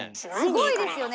すごいですよね